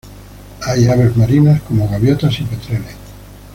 Hay aves marinas como gaviotas y petreles.